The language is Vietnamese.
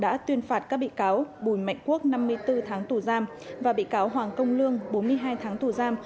đã tuyên phạt các bị cáo bùi mạnh quốc năm mươi bốn tháng tù giam và bị cáo hoàng công lương bốn mươi hai tháng tù giam